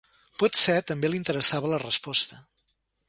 Potser també li interessava la resposta.